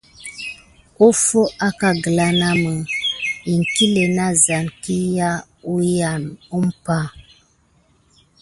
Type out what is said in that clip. Offo akà gula nakum miki iŋklé nasane kiza wukayam anba.